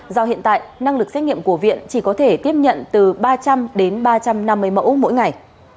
do hiện tại năng lực xét nghiệm của viện chỉ có thể tiếp nhận từ ba trăm linh đến ba trăm năm mươi mẫu mỗi ngày